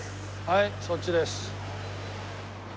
はいそっちです。